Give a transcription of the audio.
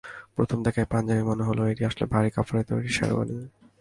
প্রথম দেখায় পাঞ্জাবি মনে হলেও এটি আসলে ভারী কাপড়ে তৈরি শেরওয়ানি।